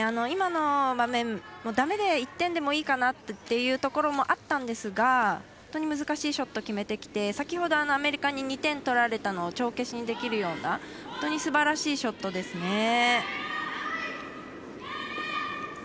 今の場面も、だめで１点でもいいかなというところもあったんですが、本当に難しいショット決めてきて先ほどアメリカに２点取られたのを帳消しにできるような本当にすばらしいショットですね。